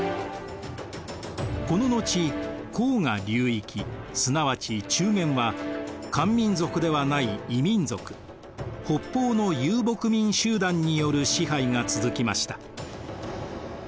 この後黄河流域すなわち中原は漢民族ではない異民族北方の遊牧民集団による支配が続きました。